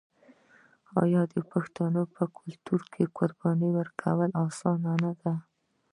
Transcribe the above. آیا د پښتنو په کلتور کې د قربانۍ ورکول اسانه نه دي؟